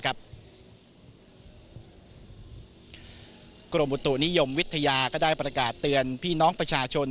กรมอุตุนิยมวิทยาก็ได้ประกาศเตือนพี่น้องประชาชน